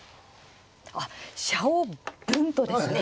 あっ飛車をブンとですね。